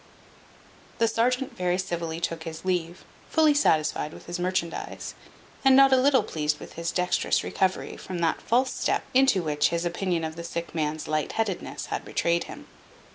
The serjeant very civilly took his leave, fully satisfied with his merchandize, and not a little pleased with his dexterous recovery from that false step into which his opinion of the sick man's light headedness had betrayed him.